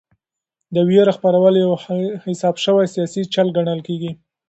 د وېرې خپرول یو حساب شوی سیاسي چل ګڼل کېږي.